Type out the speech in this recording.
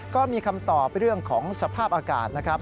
ก็มีคำตอบเรื่องของสภาพอากาศนะครับ